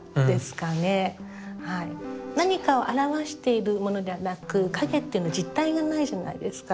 何かを表しているものではなく影というのは実体がないじゃないですか。